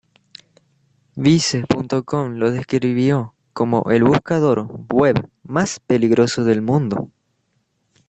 Vice.com lo describió como "el buscador web más peligroso del mundo".